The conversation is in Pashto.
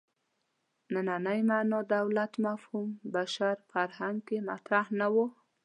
نننۍ معنا دولت مفهوم بشر فرهنګ کې مطرح نه و.